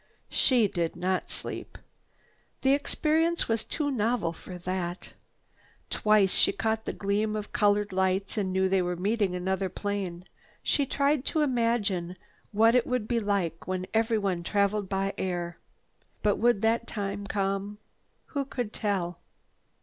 She did not sleep. The experience was too novel for that. Twice she caught the gleam of colored lights and knew they were meeting another plane. She tried to imagine what it would be like when everyone traveled by air. But would that time come? Who could tell?